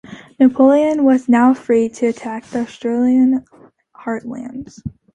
Napoleon was now free to attack the Austrian heartland.